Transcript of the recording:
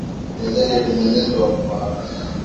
Nionyeshe mwenendo wa kufuata.